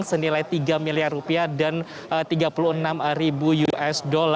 senilai tiga miliar rupiah dan tiga puluh enam ribu usd